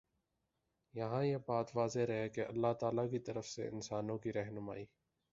یہاں یہ بات واضح رہے کہ اللہ تعالیٰ کی طرف سے انسانوں کی رہنمائی